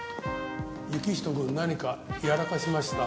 行人くん何かやらかしました？